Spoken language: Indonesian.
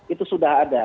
itu sudah ada